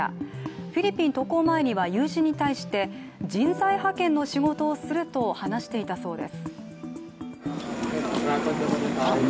フィリピン渡航前には友人に対して人材派遣の仕事をすると話していたそうです。